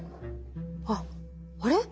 あっあれ？